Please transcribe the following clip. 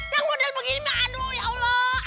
yang model begini aduh ya allah